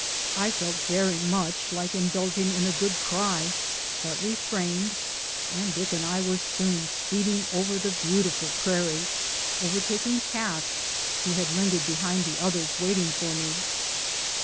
I felt very much like indulging in a good cry, but refrained, and Dick and I were soon speeding over the beautiful prairie, overtak ing Cash, who had lingered behind the others, waiting for me.